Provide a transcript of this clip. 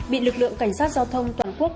bị lực lượng cảnh sát giao thông toàn quốc